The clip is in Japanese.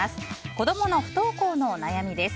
子供の不登校の悩みです。